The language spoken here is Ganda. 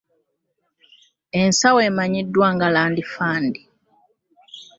Ensawo emanyiddwa nga Land Fund